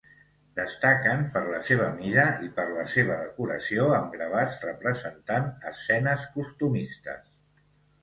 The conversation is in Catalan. Destaquen per la seva mida i per la seva decoració amb gravats representant escenes costumistes.